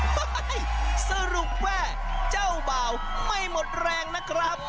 สรุปว่าเจ้าบ่าวไม่หมดแรงนะครับ